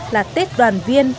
là tết đoàn viên